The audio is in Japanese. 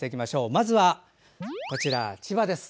まずは千葉です。